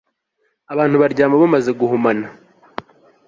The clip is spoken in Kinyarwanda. abantu baryama bumaze guhumana